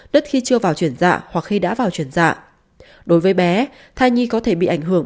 đất khi chưa vào chuyển dạ hoặc khi đã vào chuyển dạ đối với bé thai nhi có thể bị ảnh hưởng